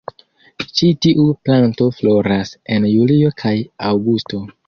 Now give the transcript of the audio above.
Ĉi tiu planto floras en julio kaj aŭgusto.